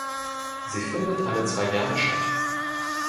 Sie findet alle zwei Jahre statt.